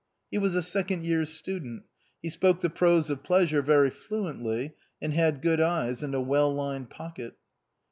He was a second year's student: he spoke the prose of pleasure very fluently, and had good eyes and a well lined pocket.